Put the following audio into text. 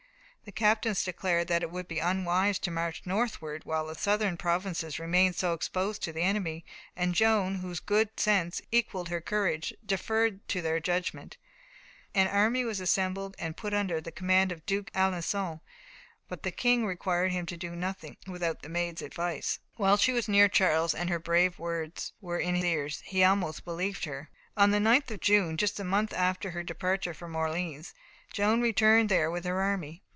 The captains declared that it would be unwise to march northward while the southern provinces remained so exposed to the enemy, and Joan, whose good sense equalled her courage, deferred to their judgment. An army was assembled, and put under command of the Duke of Alençon, but the King required him to do nothing without the Maid's advice. While she was near Charles, and her brave words were in his ears, he almost believed in her. On the 9th of June, just a month after her departure from Orleans, Joan returned there with her army.